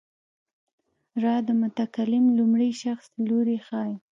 را د متکلم لومړی شخص لوری ښيي.